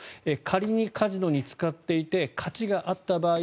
仮にカジノに使っていて勝ちがあった場合